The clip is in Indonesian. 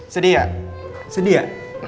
sedih ya sedih ya